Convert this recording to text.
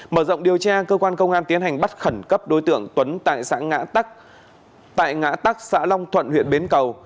mở rộng điều tra cơ quan công an tiến hành bắt khẩn cấp đối tượng tuấn tại xã ngã tại ngã tắc xã long thuận huyện bến cầu